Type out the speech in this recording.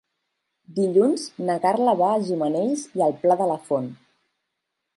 Dilluns na Carla va a Gimenells i el Pla de la Font.